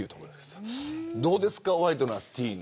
どうですか、ワイドナティーン